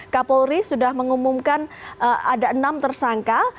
kapolri sudah mengumumkan ada enam tersangka